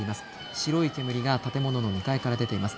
白い煙が建物の２階から出ています。